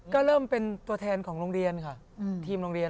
ก็เริ่มเป็นตัวแทนของโรงเรียนค่ะทีมโรงเรียน